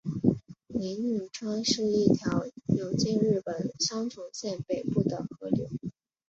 铃鹿川是一条流经日本三重县北部的河流。